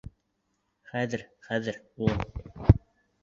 — Хәҙер, хәҙер, улым.